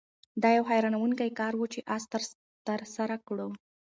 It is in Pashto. دا یو حیرانوونکی کار و چې آس ترسره کړ.